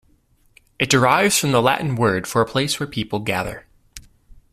It derives from the Latin word for a place where people gather.